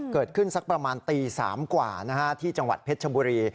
เกิดขึ้นสักประมาณตี๓กว่าที่จังหวัดเพชรบุรี